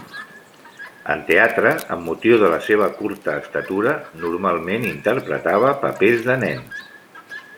En teatre, amb motiu de la seva curta estatura normalment interpretava papers de nen.